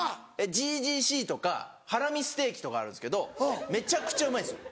ＧＧＣとかハラミステーキとかあるんですけどめちゃくちゃうまいんですよ